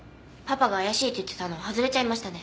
パパが怪しいって言ってたの外れちゃいましたね。